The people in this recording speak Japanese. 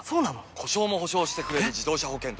故障も補償してくれる自動車保険といえば？